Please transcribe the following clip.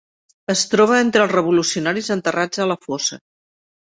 Es troba entre els revolucionaris enterrats a la fossa.